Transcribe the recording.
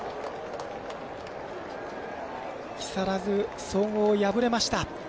木更津総合、敗れました。